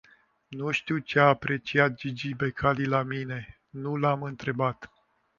Nu știu ce a apreciat Gigi Becali la mine, nu l-am întrebat.